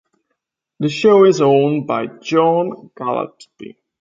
The show is owned by John Gallaspy.